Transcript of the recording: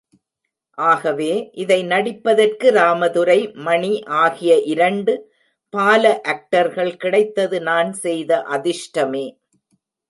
ஆகவே, இதை நடிப்பதற்கு ராமதுரை, மணி ஆகிய இரண்டு பால ஆக்டர்கள் கிடைத்தது நான் செய்த அதிர்ஷ்டமே.